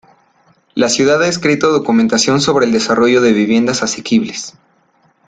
La ciudad ha escrito documentación sobre el desarrollo de viviendas asequibles.